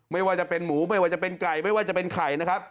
ไม่ว่าจะเป็นหมูไม่ว่าจะเป็นไก่ไม่ว่าจะเป็นไข่นะครับ